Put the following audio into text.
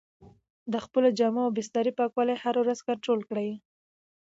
د خپلو جامو او بسترې پاکوالی هره ورځ کنټرول کړئ.